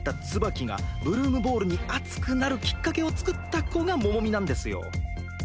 ツバキがブルームボールに熱くなるきっかけを作った子がモモミなんですよ。